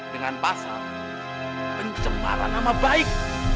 dengan pasal pencemaran nama baik